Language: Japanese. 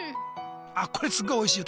あっこれすっごいおいしいよ。